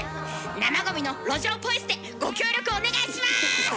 生ゴミの路上ポイ捨てご協力お願いします！